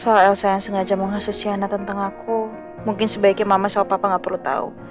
soal elsa yang sengaja mengasuh siana tentang aku mungkin sebaiknya mama sama papa gak perlu tahu